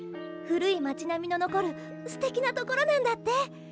古い町並みの残るすてきなところなんだって！